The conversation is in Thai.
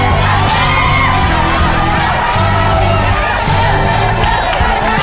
พอแล้วแกะเลยแกะเลย